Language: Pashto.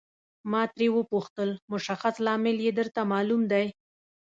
ما ترې وپوښتل مشخص لامل یې درته معلوم دی.